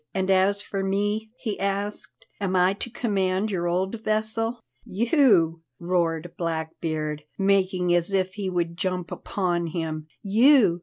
"And as for me," he asked; "am I to command your old vessel?" "You!" roared Blackbeard, making as if he would jump upon him; "you!